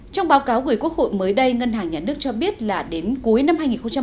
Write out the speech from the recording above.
trong báo cáo gửi quốc hội mới đây ngân hàng nhà nước cho biết là đến cuối năm hai nghìn một mươi chín